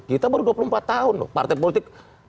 kita baru dua puluh empat tahun loh partai politik